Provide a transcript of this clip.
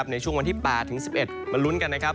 ในช่วงวันที่๘๑๑มาลุ้นกัน